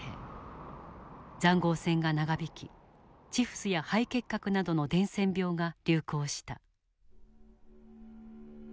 塹壕戦が長引きチフスや肺結核などの伝染病が流行した。